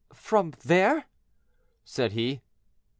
"From there?" said he.